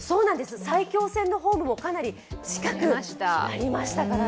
埼京線のホームもかなり近くなりましたからね。